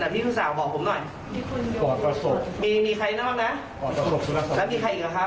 แล้วพี่ผู้สาวบอกผมหน่อยมีใครน่ะบ้างนะแล้วมีใครอีกหรือครับ